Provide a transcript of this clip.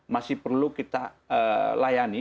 masih perlu kita layani